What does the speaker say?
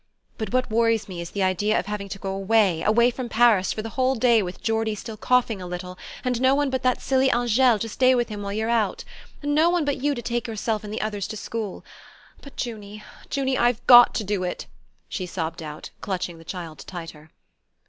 But what worries me is the idea of having to go away away from Paris for the whole day, with Geordie still coughing a little, and no one but that silly Angele to stay with him while you're out and no one but you to take yourself and the others to school. But Junie, Junie, I've got to do it!" she sobbed out, clutching the child tighter.